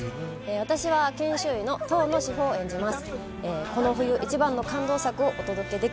私は、研修医の遠野志保を演じます。